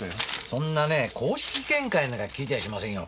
そんなねぇ公式見解なんか聞いてやしませんよ。